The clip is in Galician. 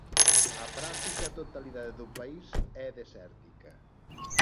A práctica totalidade do país é desértica.